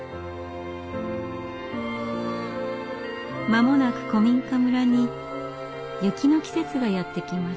間もなく古民家村に雪の季節がやって来ます。